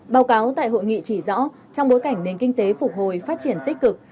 báo cáo tại hội nghị chỉ rõ trong bối cảnh nền kinh tế phục hồi phát triển tích cực